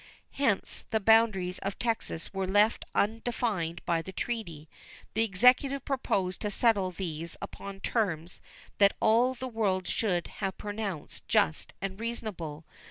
Hence the boundaries of Texas were left undefined by the treaty. The Executive proposed to settle these upon terms that all the world should have pronounced just and reasonable.